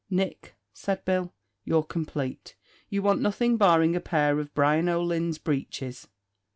"Nick," said Bill, "you're complate; you want nothing barring a pair of Brian O'Lynn's breeches."